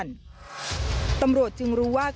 มีความรู้สึกว่า